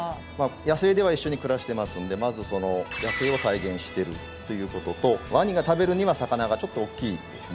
野生では一緒に暮らしてますんでまず野生を再現してるということとワニが食べるには魚がちょっと大きいんですね。